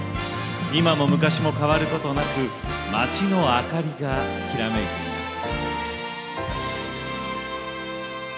今も昔も変わることなく街の灯りが、きらめいています。